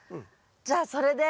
じゃあそれで。